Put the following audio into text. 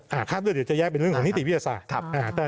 คาดเลือดเดี๋ยวจะแยกเป็นเรื่องของนิติวิทยาศาสตร์